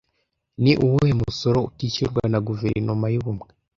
Ni uwuhe musoro utishyurwa na Guverinoma y'Ubumwe